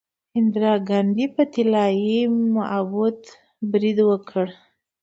اندرا ګاندي په طلایی معبد برید وکړ.